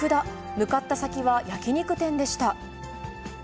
向かった先は焼き肉店でした。